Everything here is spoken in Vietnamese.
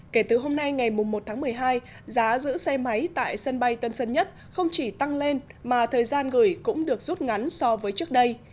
kể từ hôm nay ngày một tháng một mươi hai giá giữ xe máy tại sân bay tân sơn nhất không chỉ tăng lên mà thời gian gửi cũng được rút ngắn so với trước đây